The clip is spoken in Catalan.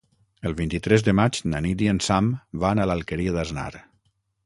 El vint-i-tres de maig na Nit i en Sam van a l'Alqueria d'Asnar.